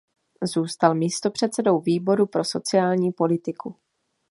Zůstal místopředsedou výboru pro sociální politiku.